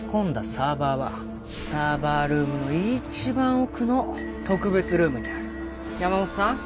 サーバーはサーバールームの一番奥の特別ルームにある山本さん